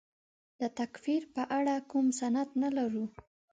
د تکفیر په اړه کوم سند نه لرو.